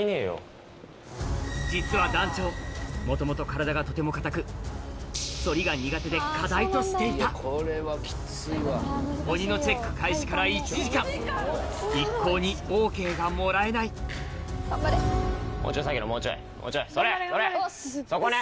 実は団長元々体がとても硬く反りが苦手で課題としていた鬼のチェック開始から１時間一向にＯＫがもらえないそこね！